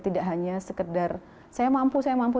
tidak hanya sekedar saya mampu saya mampu